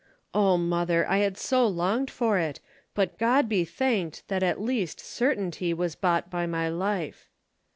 O mother, I had so longed for it, but God be thanked that at least certainty was bought by my life."